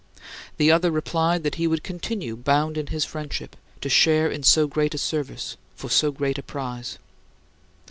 The other replied that he would continue bound in his friendship, to share in so great a service for so great a prize.